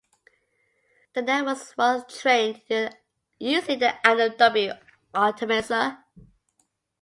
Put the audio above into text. The networks were trained using the AdamW optimizer